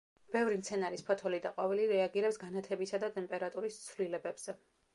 ბევრი მცენარის ფოთოლი და ყვავილი რეაგირებს განათებისა და ტემპერატურის ცვლილებებზე.